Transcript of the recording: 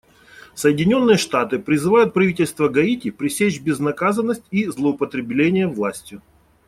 Соединенные Штаты призывают правительство Гаити пресечь безнаказанность и злоупотребления властью.